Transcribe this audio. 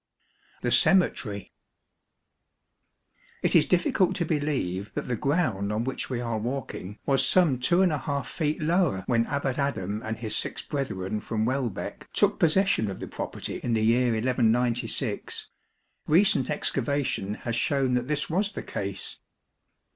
The Cemetery. It is difficult to believe that the ground on which we are walking was some 2| feet lower when Abbat Adam and his six brethren from Wei beck took possession of the property in the year 1196; recent excavation has shown 10 that this was the case.